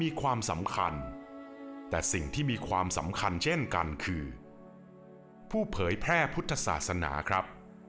มีความสำคัญแต่สิ่งที่มีความสำคัญเช่นกันคือผู้เผยแพร่พุทธศาสนาครับ